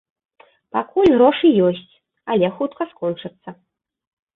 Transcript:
Пакуль грошы ёсць, але хутка скончацца.